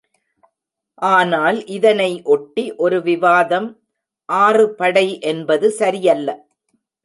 ஆனால் இதனை ஒட்டி ஒரு விவாதம், ஆறு படை என்பது சரியல்ல.